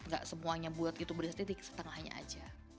gak semuanya bulat gitu beras titik setengahnya aja